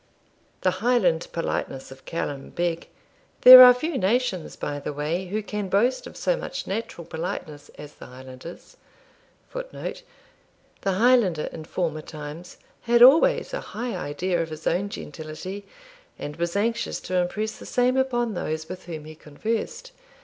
The Highland politeness of Callum Beg there are few nations, by the way, who can boast of so much natural politeness as the Highlanders [Footnote: The Highlander, in former times, had always a high idea of his own gentility, and was anxious to impress the same upon those with whom he conversed.